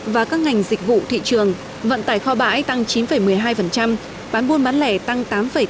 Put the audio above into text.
và các ngành dịch vụ thị trường vận tải kho bãi tăng chín một mươi hai bán buôn bán lẻ tăng tám tám mươi